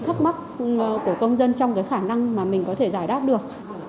chúng tôi sẽ có thể giải đáp những thắc mắc của công dân trong khả năng mà mình có thể giải đáp được